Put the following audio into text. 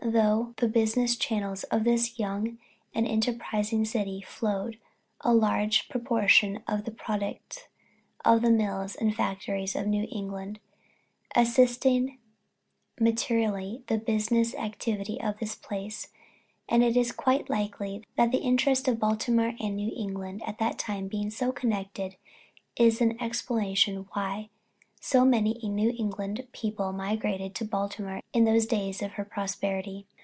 Through the business channels of this young and enterprising city flowed a large proportion of the products of the mills and factories of New England, assisting materially the business activity of the place, and it is quite likely that the interests of Baltimore and New England at that time being so connected is an explanation why so many New England people migrated to Baltimore in those days of her prosperity.